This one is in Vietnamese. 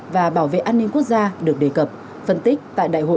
và bảo vệ an ninh quốc gia được đề cập phân tích tại đại hội một mươi ba